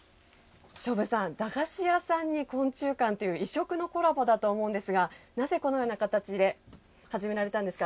祥文さん、駄菓子屋さんに昆虫館という異色のコラボだと思うんですがなぜこのような形で始められたんですか。